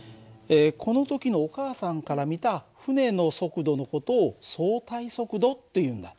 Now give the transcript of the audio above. この時のお母さんから見た船の速度の事を相対速度っていうんだ。